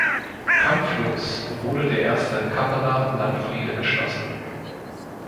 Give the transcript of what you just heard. Kampflos wurde der erste Kappeler Landfriede geschlossen.